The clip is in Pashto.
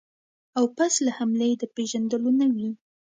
او پس له حملې د پېژندلو نه وي.